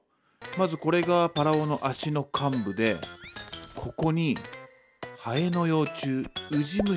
まずこれがパラオの足の患部でここにハエの幼虫ウジ虫を置いておく。